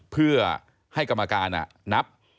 เพื่อให้กรรมการนับ